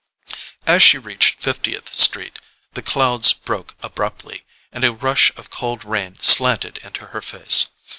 As she reached Fiftieth Street the clouds broke abruptly, and a rush of cold rain slanted into her face.